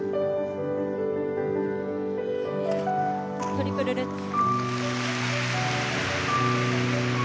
トリプルルッツ。